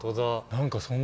何かそんな。